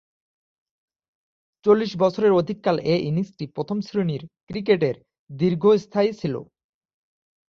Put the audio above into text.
চল্লিশ বছরের অধিককাল এ ইনিংসটি প্রথম-শ্রেণীর ক্রিকেটে দীর্ঘস্থায়ী ছিল।